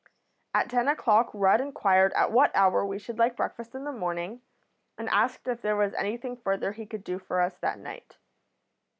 At ten o'clock Rudd inquired at what hour we should like breakfast in the morning, and asked if there was anything further he could do for us that night.